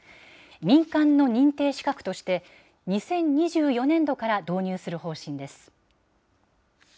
民間の認定資格として、２０２４年度から導入する方針です。